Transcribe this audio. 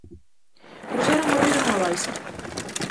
Cruzaron o río nunha balsa.